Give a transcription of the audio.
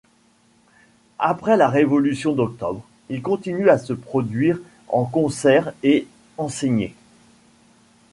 Après la Révolution d’Octobre, il continue à se produire en concert et enseigner.